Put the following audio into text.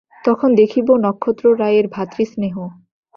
তখন দেখিব নক্ষত্ররায়ের ভ্রাতৃস্নেহ।